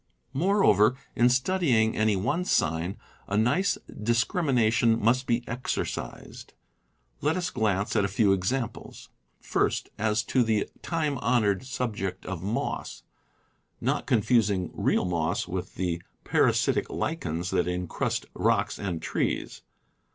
Moreover, in studying any one sign, a nice discrimina tion must be exercised. Let us glance at a few ex amples : First, as to the time honored subject of moss — not confusing real moss with the parasitic lichens that ^ incrust rocks and trees.